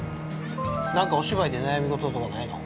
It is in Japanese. ◆なんかお芝居で悩み事とかないの。